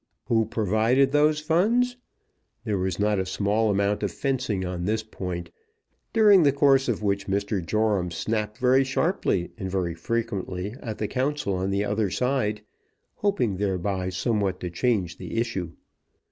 Who provided those funds? There was not a small amount of fencing on this point, during the course of which Mr. Joram snapped very sharply and very frequently at the counsel on the other side, hoping thereby somewhat to change the issue.